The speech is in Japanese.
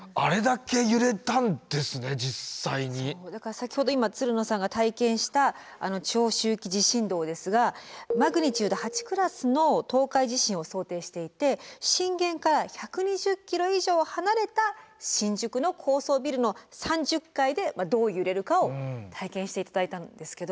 先ほどつるのさんが体験したあの長周期地震動ですがマグニチュード８クラスの東海地震を想定していて震源から１２０キロ以上離れた新宿の高層ビルの３０階でどう揺れるかを体験して頂いたんですけど。